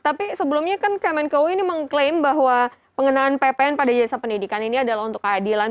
tapi sebelumnya kan kemenku ini mengklaim bahwa pengenaan ppn pada jasa pendidikan ini adalah untuk keadilan